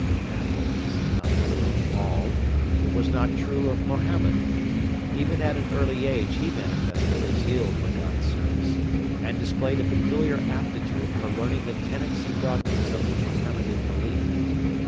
Happily this is not true of all. It was not true of Mohammed. Even at an early age he manifested a zeal for God's service, and displayed a peculiar aptitude for learning the tenets and dogmas of the Mohammedan belief.